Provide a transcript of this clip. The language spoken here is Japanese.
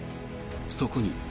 そこに。